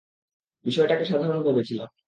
বিষয়টাকে সাধারণ ভেবেছিলাম।